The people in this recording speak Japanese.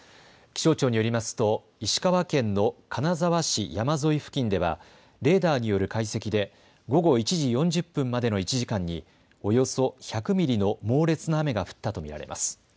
気象庁によりますと石川県の金沢市山沿い付近ではレーダーによる解析で午後１時４０分までの１時間におよそ１００ミリの猛烈な雨が降ったと見られます。